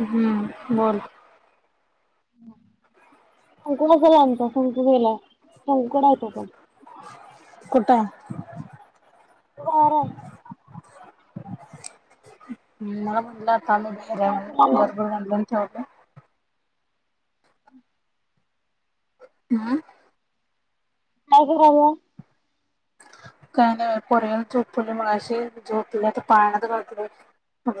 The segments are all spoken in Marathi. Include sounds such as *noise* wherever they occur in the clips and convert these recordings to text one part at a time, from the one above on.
हम्म बोल. *unintelligible* संकु हाय घरी आमचा संकू गेलाय, संकुड हाय तो पण कुठ हाय? होर *unintelligible* मला म्हणल आता आलोय, बाहेर काय आम्ही आणि करायला बरबर म्हणल्या आणि ठेवल्या हम काय कराय या? का ग पोरग्याला झोपवलंय मगाशी झोपलाय तो पाळण्यात घालतो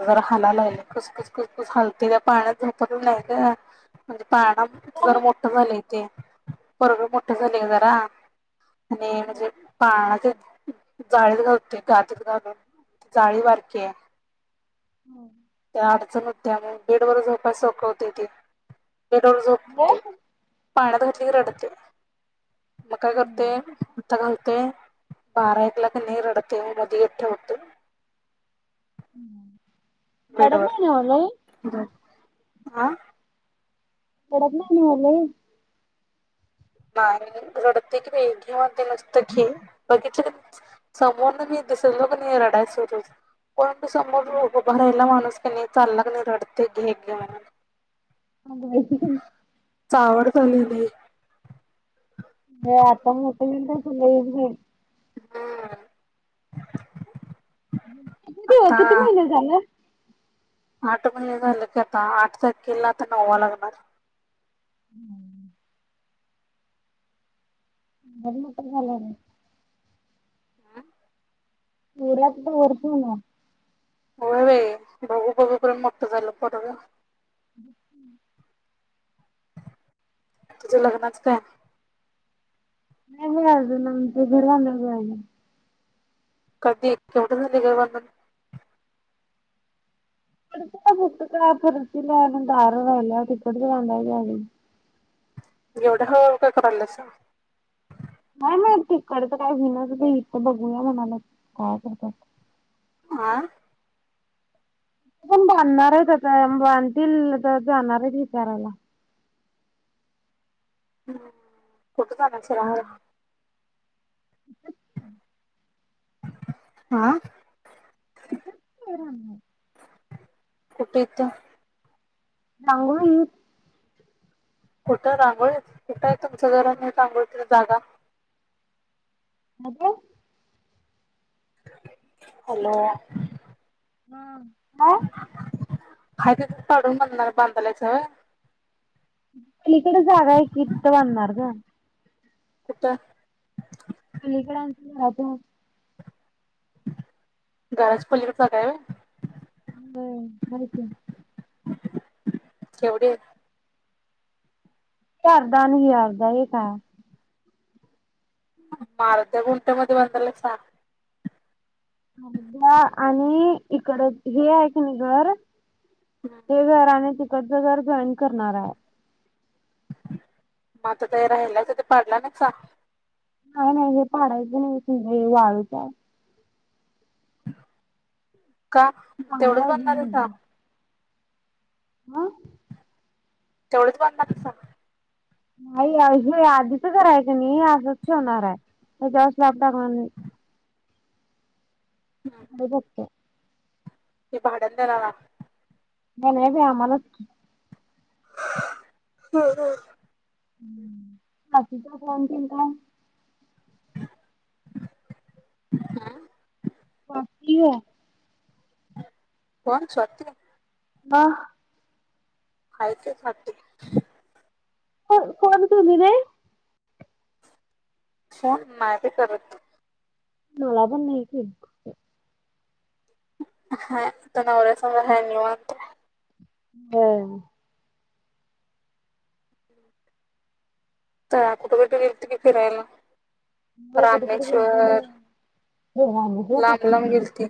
जरा हाललंय खुसखुस खुसखुस हालतोय पाळण्यात झोपत नाही ग म्हण पाळणा जर मोठं झालंय ते पोरगं मोठ झाल ग जरा. आणि... म्हणजे पा जाळीत गावते गातत गा जाळी बारकी हाय हम्म. त्या अडचण होत्या मग बेडवर झोपाय सोप्पं होते ते बेडवर झोपते... पाळण्यात घातली की रडते मग काय करते, आता का *unintelligible* बारा एकला का नई रडते, मध्ये एकदा उठते *unintelligible* आ? रडत नाही नव लई? नाही रडत. रडते की बाई घे म्हणते मस्त बघितलं की समोर दिसलो कणी नाही रडाय सुरू पण ते समोर उभा राहीला माणूस की नई, चालला की नई रडते घे घे म्हणून अगं बाई चावट झाली लै हे आता मोठ हुईल तस लई बई. हम्म. आता किती महिन झालं? आठ महिने झालं की आता आठ तारखेला आता नववा लागणार. हम्म. बर मट झाला *unintelligible* हम्म. पऱत दरस होन *unintelligible* हो बाई बघू बघू पर्यन मोठ झालं पोरग. ब *unintelligible* तुझं लग्नाच का? नाहीवेळाज नम ते घरवा म वळाज *unintelligible* कधी केवढं झाले का वणन फ फट फरती म्हडार ला लाया टिकट दला घली *unintelligible* एवढ हळूहळू का करायला सा? नाही माहिती कडत काय घणच ते इथ बघूया म्हणाला काय करतात. आह. पण बांधणार आहेत आता बांधतील जाणारच विचारायला. हम् फुठ का *unintelligible* सला *inaudible* आ अह कर कुठेेयत रांगोळी कुठं रांगोळीत कुठं आहे तुमच् घर आणि रांगोळीसाठी जागा *unintelligible* हॅलो हम्म *unintelligible* हाय तितच चढून बंगला बांधायलायच व्हय तिकड जागा हाय की तिथं बनणार ग कुठ खली कडांत झा प *unintelligible* *inaudible* घराच्या पलीकड जागा ए व्हय बर माहिती ए केवढी ही आरदा आनि ही आरदा एक हाय आरध्या गुंट्यामध्ये बधायला यचा आरद्या. आणि हीकड हे आहे की नाई घर मग हे घर आणि तिकडचं घर जॉईन करणार आय म आता ते राहिलाय त ते पडला नायका नाई नाई हेे पाडायच नाही हे वाळूच हाय का चांगलं तेवढंच आहे बांधनारएसा ह तेवढच बांधणार हायसा नाही हे आधीच घर हाय का नाई आसच ठेवनार हाय हे द्यावे लागणार म्हण बगतो हे भाड्यानं देणार हाओत मी नाय ते आमालाच हम्म हम् हम बाकी का फोन केलता बाकी एए कोण स्वाती वा *inaudible* करायचे साठी को कोण तुमीरे कोण मायती करत होती मला पण नाही की हा त नवर्यासंग हाय निवांत हम तर कुठं कठ गेलती की फिरायला कुठे कुठे गेलती ना रामेश्वर हे रामेश्वर लांब कुठे लांब गेलती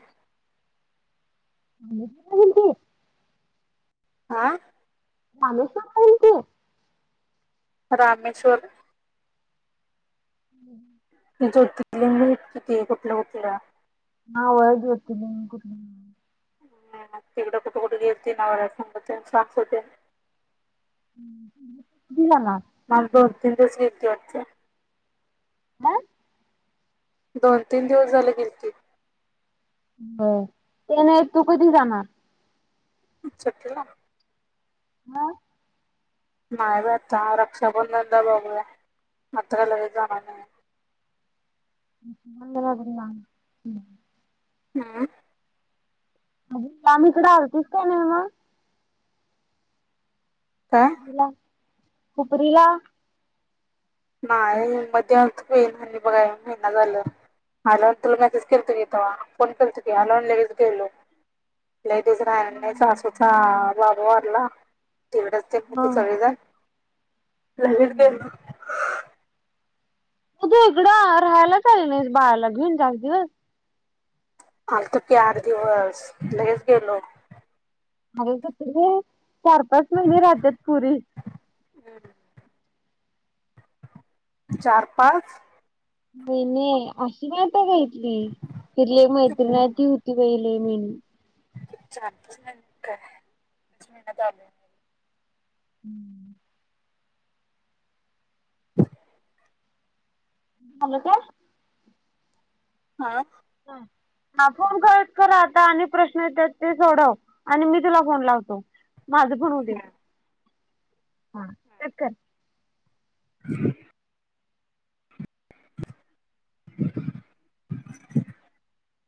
*inaudible* गेलती हा रामेश्वर ला गेलती रामेश्वर हम् जो दिल्ली किती कुठल्या कुठल्या हा *inaudible* ज्योतिर्लिंग कुठली ह मग तिकडं कुठे कुठे गेलती नवर्यासंग ते सांगत होती हम हम दिलाना माझ्र अत्यंत *unintelligible* वरच ह दोन तीन दिवस झाले गेल की हो ते नाही तू कधी जाणार अच्छत हा मायता रक्षा बध बग अत ल जा म्हन नाम हम्म अ ला म चढालतीस त्या नाही म काय ला उपरला नाही मध्ये अस होईल आणि बघा महिना झालं हॅलोन तुला मेसेज के तुी तो फोन के तु हलोन ललेगेच गेलो लेडीिज आ नाही चा असू च लाभ वाटला तेवढचते म त होय चळी मग जा लवीच ग त त इडं राहायला चालेल ना बाहेला घेऊन चार दिवस आल त चार दिवस लगेच गेलो अरे ते चार पाच महिने राहतात पुरी हम् चारपाच महि नाही अशी ना आता घितली तिले मैत्रिणथ होती पहिले हम् च हम्म ह का हा हा हा फोन करत करा आता अक प्रश्न येत ते सोडव आणि मी तुला फोन लावतो मज बनू दे हा चकर हम *inaudible*